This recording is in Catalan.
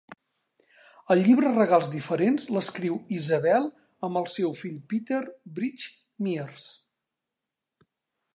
El llibre Regals diferents l'escriu Isabel amb el seu fill Peter Briggs Myers.